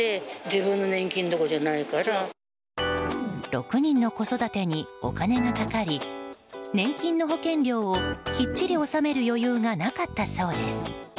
６人の子育てにお金がかかり年金の保険料をきっちり納める余裕がなかったそうです。